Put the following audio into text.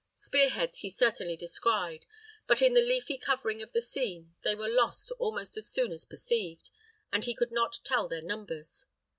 Spear heads he certainly descried; but in the leafy covering of the scene they were lost almost as soon as perceived, and he could not tell their numbers.